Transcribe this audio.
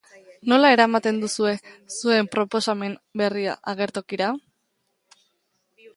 Nola eramaten duzue zuen proposamen berria agertokira?